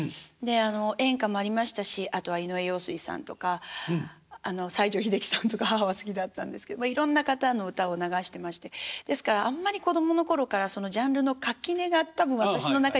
演歌もありましたしあとは井上陽水さんとか西城秀樹さんとか母は好きだったんですけどいろんな方の歌を流してましてですからあんまり子供の頃からジャンルの垣根が多分私の中にもなかったと思うんです。